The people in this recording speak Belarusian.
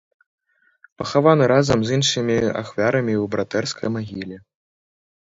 Пахаваны разам з іншымі ахвярамі ў братэрскай магіле.